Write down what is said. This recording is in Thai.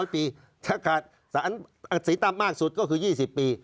๐ปีถ้าขาดสารสีต่ำมากสุดก็คือ๒๐ปี